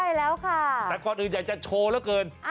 ใช่แล้วค่ะแต่ก่อนอื่นอยากจะโชว์เหลือเกิน